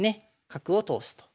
角を通すと。